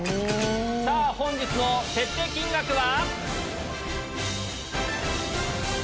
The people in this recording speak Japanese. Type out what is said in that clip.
さぁ本日の設定金額は？